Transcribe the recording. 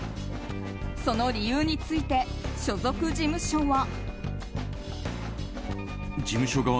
その理由について所属事務所は。